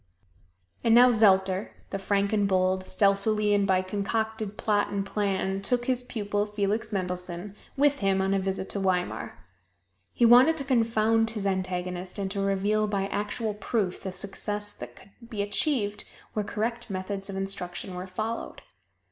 And now Zelter, the frank and bold, stealthily and by concocted plot and plan took his pupil, Felix Mendelssohn, with him on a visit to Weimar. He wanted to confound his antagonist and to reveal by actual proof the success that could be achieved where correct methods of instruction were followed.